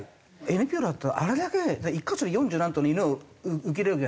ＮＰＯってあれだけ１箇所に四十何頭の犬を受けるじゃないですか。